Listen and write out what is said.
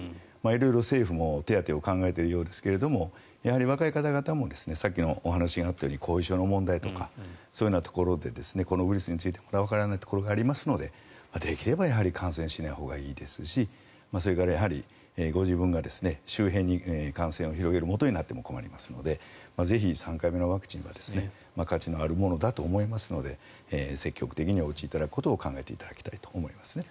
色々政府も、手当てを考えているようですけれどもやはり若い方々もさっきのお話があったように後遺症の問題とかそういうところでこのウイルスについてまだわからないところがありますのでできれば感染しないほうがいいですしそれからご自分が周辺に感染を広げるもとになっても困りますのでぜひ、３回目のワクチンは価値のあるものだと思いますので積極的にお打ちいただくことを考えていただきたいと思います。